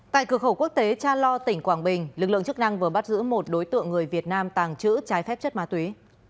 tại cửa khẩu quốc tế cha lo tỉnh quảng bình lực lượng chức năng vừa bắt giữ một đối tượng người việt nam tàng trữ trái phép chất ma túy